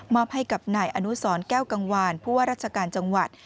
ให้กับนายอนุสรแก้วกังวานผู้ว่าราชการจังหวัด